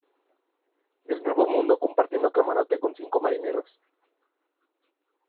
del nuevo mundo compartiendo camarote con cinco marineros?